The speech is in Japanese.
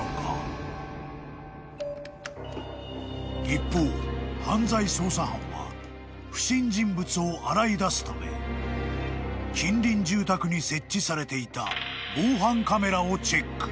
［一方犯罪捜査班は不審人物を洗い出すため近隣住宅に設置されていた］